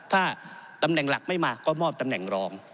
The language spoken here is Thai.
ถ้าตำแหน่งหลักไม่มาก็มอบตำแหน่งรอง